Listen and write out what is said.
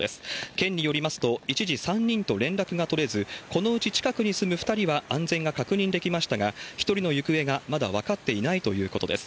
県によりますと、一時３人と連絡が取れず、このうち近くに住む２人は安全が確認できましたが、１人の行方がまだ分かっていないということです。